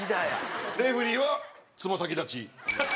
レフェリーはつま先立ち。